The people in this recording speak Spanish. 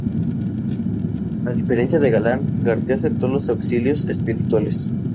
A diferencia de Galán, García aceptó los auxilios espirituales.